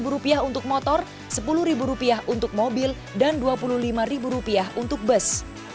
rp lima untuk motor rp sepuluh untuk mobil dan rp dua puluh lima untuk bus